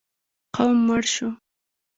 قوم مړ شو.